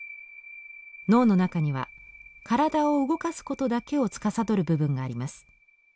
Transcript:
脳の中には体を動かすことだけをつかさどる部分があります。